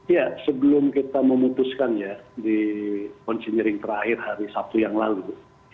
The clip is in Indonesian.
ya sebelum kita memutuskan ya di konseinering terakhir hari sabtu yang lalu